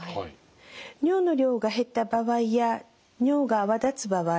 尿の量が減った場合や尿が泡立つ場合